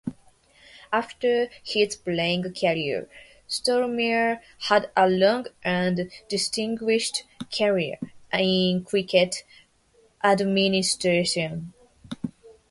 After his playing career, Stollmeyer had a long and distinguished career in cricket administration.